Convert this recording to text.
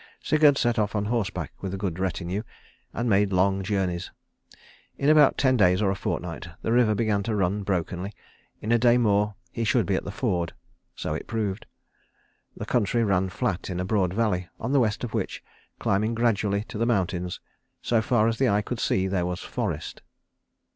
Sigurd set off on horseback with a good retinue, and made long journeys. In about ten days or a fortnight the river began to run brokenly; in a day more he should be at the ford. So it proved. The country ran flat in a broad valley, on the west of which, climbing gradually to the mountains, so far as the eye could see there was forest.